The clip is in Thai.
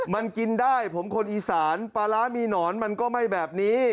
มันกินได้ผมคนอีสานปลาร้ามีหนอนมันก็ไม่แบบนี้